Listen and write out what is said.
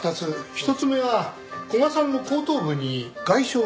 １つ目は古賀さんの後頭部に外傷があった。